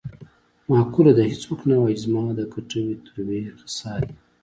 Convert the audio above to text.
معقوله ده: هېڅوک نه وايي چې زما د کټوې تروې خسا دي.